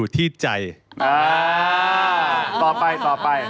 ถ้าต่อ